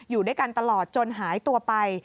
อยู่ด้วยกันตลอดจนหายตัวไป